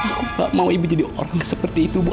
aku gak mau ibu jadi orang seperti itu bu